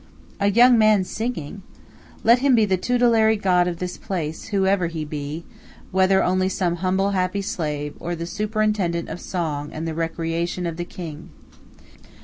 A young man singing! Let him be the tutelary god of this place, whoever he be, whether only some humble, happy slave, or the "superintendent of song and of the recreation of the king."